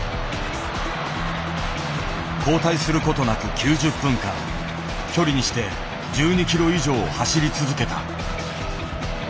交代する事なく９０分間距離にして１２キロ以上走り続けた。